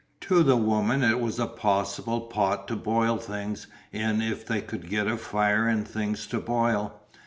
To the woman it was a possible pot to boil things in if they could get a fire and things to boil.